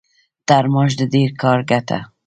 تر معاش د ډېر کار ګټه.